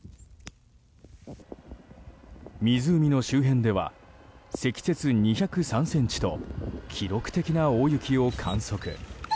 湖の周辺では積雪２０３ｃｍと記録的な大雪を観測。